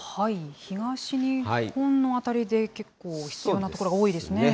東日本の辺りで結構必要な所が多いですね。